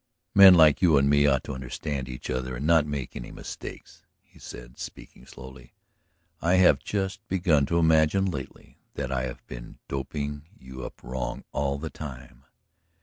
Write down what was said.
"Men like you and me ought to understand each other and not make any mistakes," he said, speaking slowly. "I have just begun to imagine lately that I have been doping you up wrong all the time.